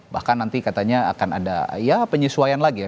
bahkan nanti katanya akan ada ya penyesuaian lagi ya